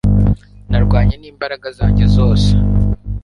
Narwanye nimbaraga zanjye zose